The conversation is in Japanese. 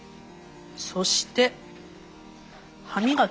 そして歯磨。